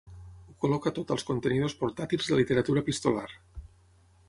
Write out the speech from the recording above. Ho col·loca tot als contenidors portàtils de literatura epistolar.